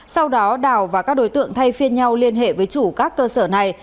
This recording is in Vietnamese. sau đó đào và các đối tượng thay phiên nhau liên hệ với chủ các cơ sở này